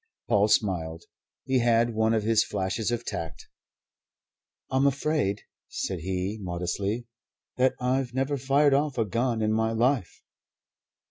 Paul smiled. He had one of his flashes of tact, "I'm afraid," said he modestly, "that I've never fired off a gun in my life."